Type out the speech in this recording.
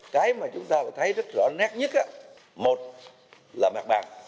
cái mà chúng ta phải thấy rất rõ nét nhất một là mặt bằng